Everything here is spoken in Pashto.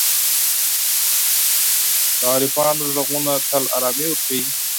د عارفانو ږغونه تل آرامي ورکوي.